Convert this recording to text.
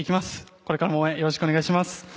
これからも応援よろしくお願いします。